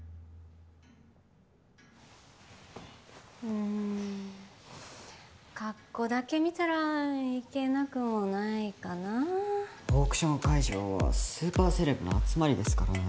うーん格好だけ見たらいけなくもないかなオークション会場はスーパーセレブの集まりですからね